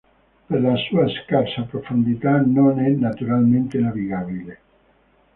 Per la sua scarsa profondità non è naturalmente navigabile.